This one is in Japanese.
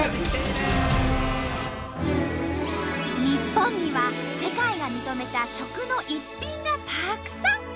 日本には世界が認めた食の逸品がたくさん！